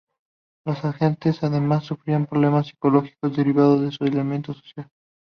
Los agentes, además sufrían problemas psicológicos derivados de su aislamiento social.